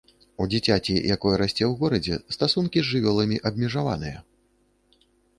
У дзіцяці, якое расце ў горадзе, стасункі з жывёламі абмежаваныя.